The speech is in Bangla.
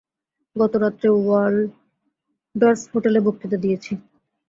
গত রাত্রে ওয়ালডর্ফ হোটেলে বক্তৃতা দিয়েছি।